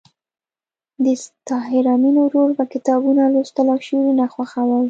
د طاهر آمین ورور به کتابونه لوستل او شعرونه خوښول